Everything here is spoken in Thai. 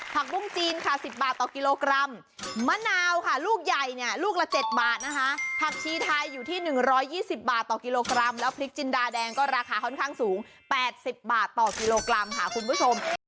ผักบุ้งจีนค่ะ๑๐บาทต่อกิโลกรัมมะนาวค่ะลูกใหญ่เนี่ยลูกละ๗บาทนะคะผักชีไทยอยู่ที่๑๒๐บาทต่อกิโลกรัมแล้วพริกจินดาแดงก็ราคาค่อนข้างสูง๘๐บาทต่อกิโลกรัมค่ะคุณผู้ชม